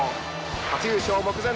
初優勝目前。